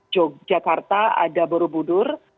yogyakarta ada borobudur